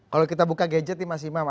kalau kita buka gadget nih mas imam